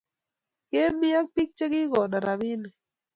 Kemi ak bik che kigondo rapinik